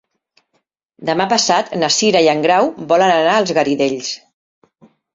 Demà passat na Cira i en Grau volen anar als Garidells.